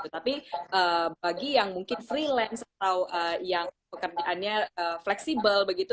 tapi bagi yang mungkin freelance atau yang pekerjaannya fleksibel begitu